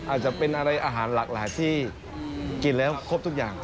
อาจจะเป็นอะไรอาหารหลากหลายที่กินแล้วครบทุกอย่าง